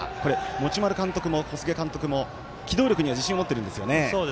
持丸監督も小菅監督も機動力には自信を持ってるんですよね。